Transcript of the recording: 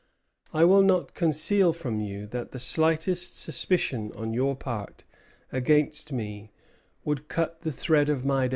I will not conceal from you that the slightest suspicion on your part against me would cut the thread of my days."